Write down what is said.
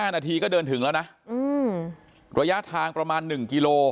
๕นาทีก็เดินถึงแล้วนะระยะทางประมาณ๑กิโล